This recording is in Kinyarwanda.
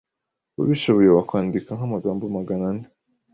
Ubishoboye wakwandika nk’amagambo Magana ane